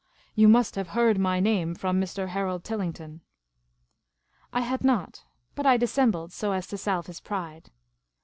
You must have heard my name from Mr. Harold Tillington." I had not ; but I dissembled, so as to salve his pride.